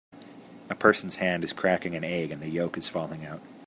A person s hand is cracking an egg and the yolk is falling out